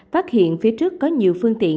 phát hiện phía trước có nhiều phương tiện